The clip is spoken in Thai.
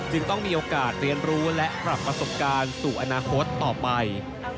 ต้องมีโอกาสเรียนรู้และปรับประสบการณ์สู่อนาคตต่อไป